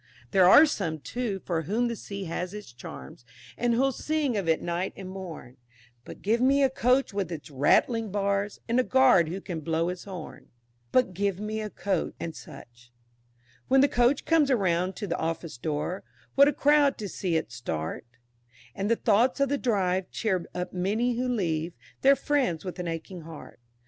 There are some, too, for whom the sea has its charms And who'll sing of it night and morn, But give me a Coach with its rattling bars And a Guard who can blow his horn. But give me a Coach, &c. When the Coach comes round to the office door, What a crowd to see it start, And the thoughts of the drive, cheer up many who leave Their friends with an aching heart.